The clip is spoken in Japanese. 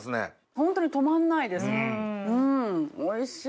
ホントに止まんないですおいしい！